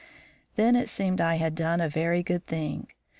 Then it seemed I had done a very good thing.